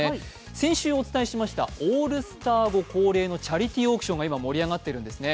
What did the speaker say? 先週お伝えしましたオールスター後恒例のチャリティーオークションが今、盛り上がってるんですね。